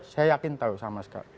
saya yakin tahu sama sekali